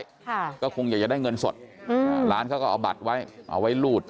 ค่ะก็คงอยากจะได้เงินสดอืมร้านเขาก็เอาบัตรไว้เอาไว้รูด